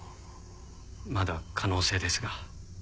まだ可能性ですが。